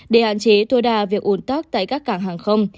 để hạn chế thua đà việc ủn tắc tại các cảng hàng không